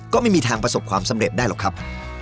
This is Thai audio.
ก็ไม่มีทางประสบความสำเร็จได้หรอกครับ